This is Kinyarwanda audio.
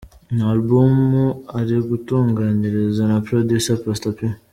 Ni album ari gutunganyirizwa na Producer Pastor P.